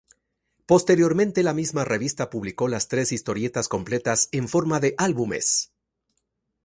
Posteriormente la misma revista publicó las tres historietas completas en forma de álbumes.